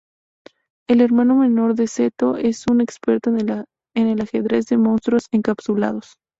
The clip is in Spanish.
El hermano menor de Seto, es un experto en el Ajedrez de Monstruos Encapsulados.